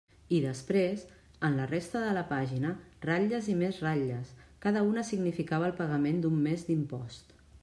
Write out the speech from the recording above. I després, en la resta de la pàgina, ratlles i més ratlles; cada una significava el pagament d'un mes d'impost.